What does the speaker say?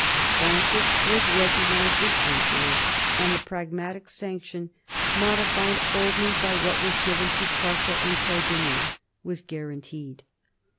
Francis was recognised as emperor ; and the Pragmatic Sanction, modified only by what was given to Prussia and Sardinia, was guaranteed.